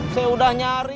saya udah nyari